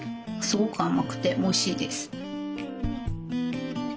すごく甘くておいしいです。